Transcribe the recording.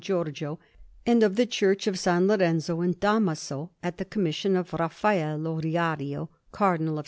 Giorgio, and of the Church of S. Lorenzo in Damaso, at the commission of Raffaello Riario, Cardinal of S.